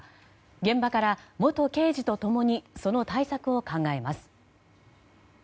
現場から元刑事と共にその対策を考えます。